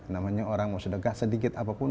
namanya orang mau sedekah sedikit apapun